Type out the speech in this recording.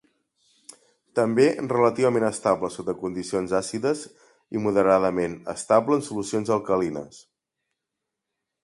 També relativament estable sota condicions àcides i moderadament estable en solucions alcalines.